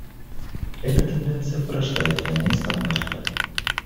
Эта тенденция порождает двойные стандарты.